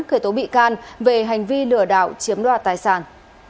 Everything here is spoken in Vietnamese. khởi tố bị can về hành vi lừa đảo chiếm đoạt tài sản